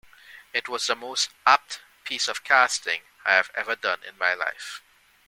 It was the most apt piece of casting I've ever done in my life.